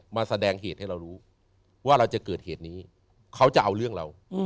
มาแสดงเหตุให้เรารู้ว่าเราจะเกิดเหตุนี้เขาจะเอาเรื่องเรา